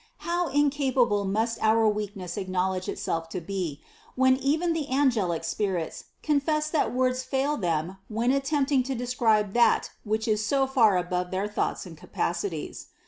How incapable must our weakness acknowledge itself to be, when even the angelic spirits confess that words fail them when at tempting to describe that which is so far above their thoughts and capacities.